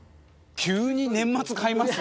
急に年末買います？